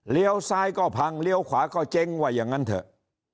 ซ้ายก็พังเลี้ยวขวาก็เจ๊งว่าอย่างนั้นเถอะ